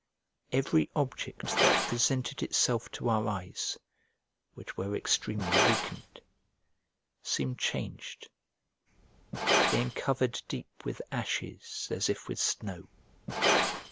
Every object that presented itself to our eyes (which were extremely weakened) seemed changed, being covered deep with ashes as if with snow.